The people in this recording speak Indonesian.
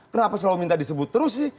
kenapa selalu minta disebut terus sih